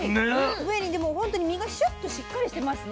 上にでも本当に身がシュッとしっかりしてますね。